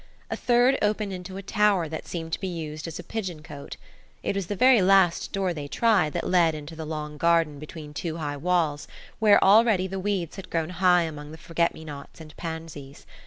A third opened into a tower that seemed to be used as a pigeon cote. It was the very last door they tried that led into the long garden between two high walls, where already the weeds had grown high among the forget me nots and pansies.